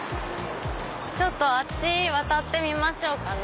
ちょっとあっち渡ってみましょうかね。